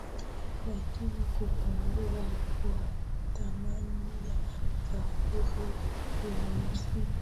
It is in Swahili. lakini kupungua kwa thamani ya sarafu ya uchina